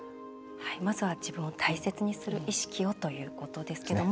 まずは自分を大切にする意識をということですけども。